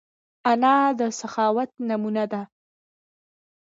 انا د سخاوت نمونه ده